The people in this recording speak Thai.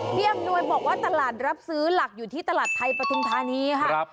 เพียงด้วยบอกว่าตลาดรับซื้อหลักอยู่ที่ตลาดไทยประทึงภาณีฮะครับ